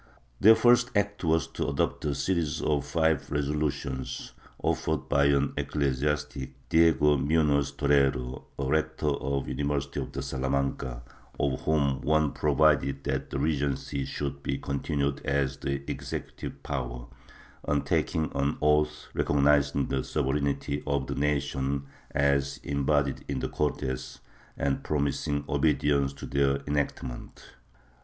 Their first act was to adopt a series of five resolutions, offered by an ecclesiastic, Diego Muhoz Torrero, rector of the University of Salamanca, of which one provided that the Regency should be continued as the executive power, on taking an oath recognizing the sovereignty of the nation as embodied in the Cortes and promising obedience to their enactments.